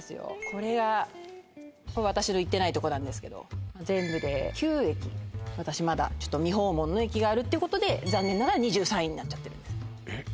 これ私の行ってないとこなんですけど全部で９駅私まだ未訪問の駅があるってことで残念ながら２３位になっちゃってるんですえっ